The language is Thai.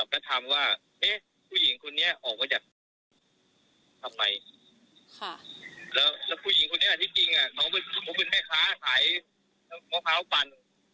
แล้วคู่หญิงค่ะที่จริงอะเขาเป็นแม่ค้าขายข้าวปัญ